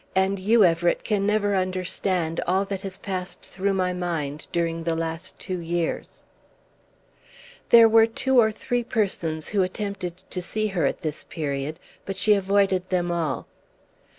And you, Everett, can never understand all that has passed through my mind during the last two years." There were two or three persons who attempted to see her at this period, but she avoided them all.